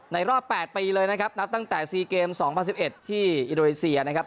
ในรอบแปดปีเลยนะครับนับตั้งแต่ซีเกมสองพันสิบเอ็ดที่อิโรเลเซียนะครับ